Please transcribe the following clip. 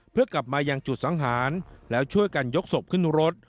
เพื่อกลับมายังจุดสังหารแล้วช่วยกันยกศพขึ้นรถ